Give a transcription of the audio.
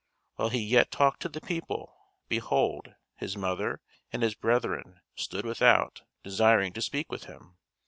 While he yet talked to the people, behold, his mother and his brethren stood without, desiring to speak with him.